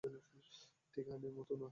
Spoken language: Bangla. ঠিক আর্নির মতো, না, না!